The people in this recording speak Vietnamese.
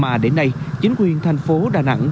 mà đến nay chính quyền thành phố đà nẵng